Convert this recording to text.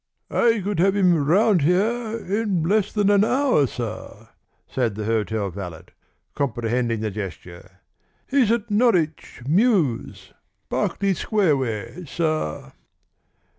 "I could have him round here in less than an hour, sir," said the hotel valet, comprehending the gesture. "He's at Norwich Mews Berkeley Square way, sir."